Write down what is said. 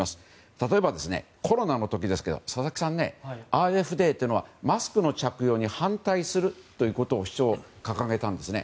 例えばコロナの時ですが佐々木さん、ＡｆＤというのはマスクの着用に反対する主張を掲げたんですね。